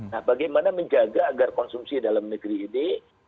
nah bagaimana menjaga agar konsumsi dalam negeri ini